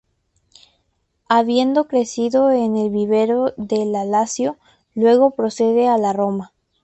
Habiendo crecido en el vivero de la Lazio, luego procede a la Roma.